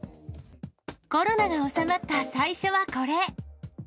コロナが収まった最初はこれ。